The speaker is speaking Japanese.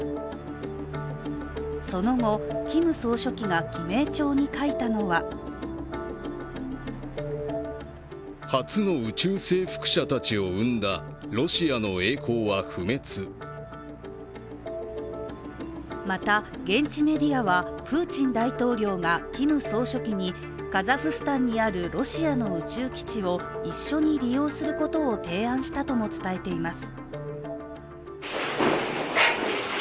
その後、キム総書記が記名帳に書いたのはまた現地メディアは、プーチン大統領がキム総書記にカザフスタンにあるロシアの宇宙基地を一緒に利用することを提案したとも伝えています。